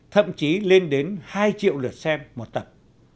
thậm chí lên đến hai triệu lượt xem một tập